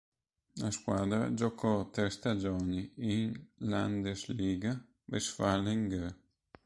La squadra giocò tre stagioni in "Landesliga Westfalen Gr.